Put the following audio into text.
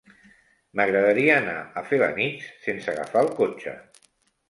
M'agradaria anar a Felanitx sense agafar el cotxe.